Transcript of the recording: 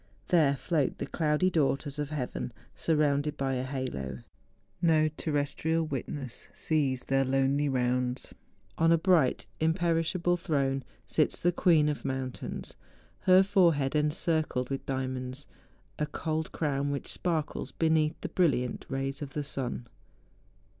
There float the cloudy daughters of heaven surrounded by a halo. No terrestrial wituess sees their lonely rounds. On a bright, imperishable throne, sits the queen of moun¬ tains, her forehead encircled with diamonds, a cold crown which sparkles beneath the brilliant rays of the sun.